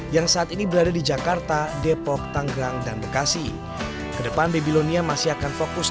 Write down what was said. yang saat ini berada di jakarta depok tanggerang dan bekasi ke depan babylonia masih akan fokus